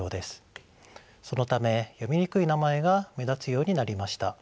そのため読みにくい名前が目立つようになりました。